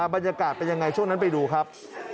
บรรยากาศเป็นยังไงช่วงนั้นไปดูครับ